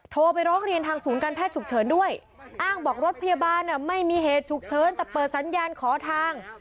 โทรไปร้องเรียนทางศูนย์การแพทย์ฉุกเฉินด้วยอ้างบอกรถพยาบาลไม่มีเหตุฉุกเฉินแต่เปิดสัญญาณขอทาง